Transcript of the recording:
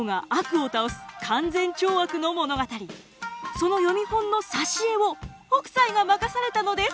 その読本の挿絵を北斎が任されたのです。